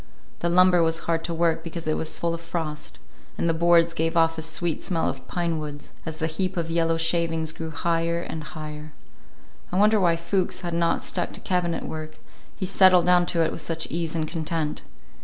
The lumber was hard to work because it was full of frost, and the boards gave off a sweet smell of pine woods, as the heap of yellow shavings grew higher and higher. I wondered why Fuchs had not stuck to cabinet work, he settled down to it with such ease and content.